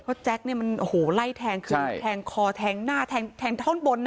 เพราะแจ๊คเนี่ยมันไล่แทงขึ้นแทงคอแทงหน้าแทงท่อนบน